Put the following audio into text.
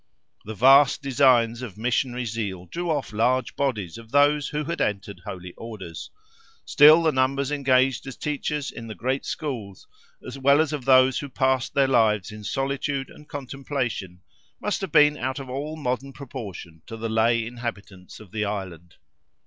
The vast designs of missionary zeal drew off large bodies of those who had entered Holy Orders; still the numbers engaged as teachers in the great schools, as well as of those who passed their lives in solitude and contemplation, must have been out of all modern proportion to the lay inhabitants of the Island.